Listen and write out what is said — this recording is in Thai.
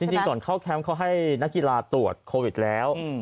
จริงก่อนเข้าแคมป์เขาให้นักกีฬาตรวจโควิดแล้ว